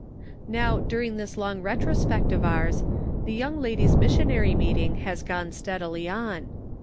Now during this long retrospect of ours, the Young Ladies' Missionary Meeting has gone steadily on.